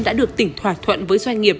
đã được tỉnh thỏa thuận với doanh nghiệp